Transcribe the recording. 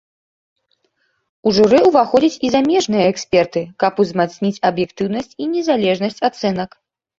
У журы ўваходзяць і замежныя эксперты, каб узмацніць аб'ектыўнасць і незалежнасць ацэнак.